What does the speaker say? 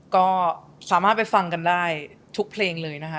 ก็สามารถไปฟังกันได้ทุกเพลงเลยนะฮะ